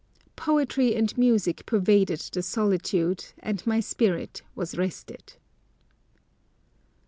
Poetry and music pervaded the solitude, and my spirit was rested.